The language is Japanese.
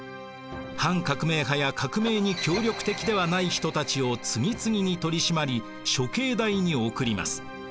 反革命派や革命に協力的ではない人たちを次々に取り締まり処刑台に送ります。